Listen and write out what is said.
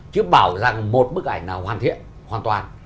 chứ bảo rằng một bức ảnh nào hoàn thiện hoàn toàn